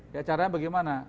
ya caranya bagaimana